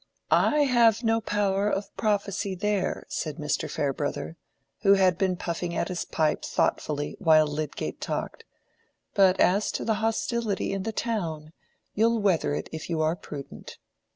"I have no power of prophecy there," said Mr. Farebrother, who had been puffing at his pipe thoughtfully while Lydgate talked; "but as to the hostility in the town, you'll weather it if you are prudent."